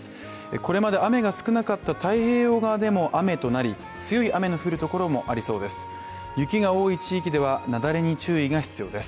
これまで雨が少なかった太平洋川でも雨となり強い雨の降るところもありそうです。